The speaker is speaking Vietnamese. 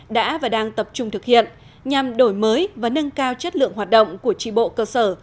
đã và đang tập trung thực hiện nhằm đổi mới và nâng cao chất lượng hoạt động của tri bộ cơ sở